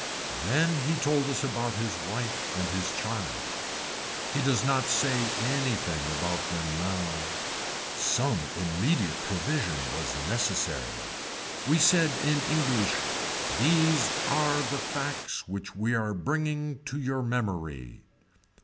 Then he told us about his wife and his child. He does not say anything about them now. Some immediate provision was necessary. We said in English these are the facts which we are bringing to your memory.